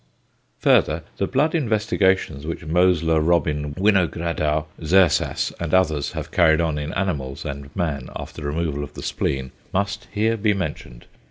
Further, the blood investigations which Mosler, Robin, Winogradow, Zersas and others have carried on in animals and man after removal of the spleen must here be mentioned.